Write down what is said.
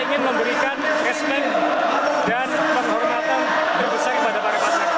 tanpa mereka jersey itu tidak ada